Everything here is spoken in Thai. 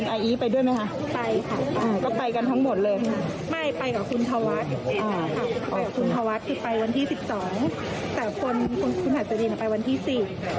แต่คุณอาจารย์ไปวันที่๔